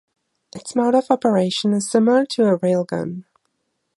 Its mode of operation is similar to a railgun.